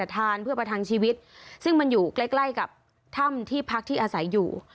ทานเพื่อประทังชีวิตซึ่งมันอยู่ใกล้ใกล้กับถ้ำที่พักที่อาศัยอยู่